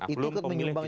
itu menyeimbangkan juga ya